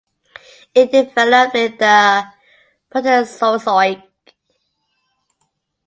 It developed in the Proterozoic.